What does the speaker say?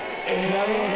なるほど。